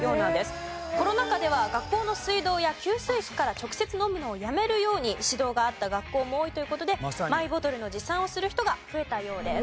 コロナ禍では学校の水道や給水機から直接飲むのをやめるように指導があった学校も多いという事でマイボトルの持参をする人が増えたようです。